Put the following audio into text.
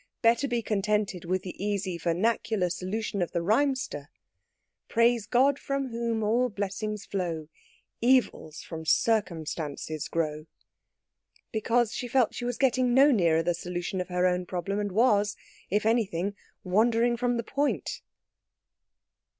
Better be contented with the easy vernacular solution of the rhymester: "Praise God from whom all blessings flow, Evils from circumstances grow." Because she felt she was getting no nearer the solution of her own problem, and was, if anything, wandering from the point.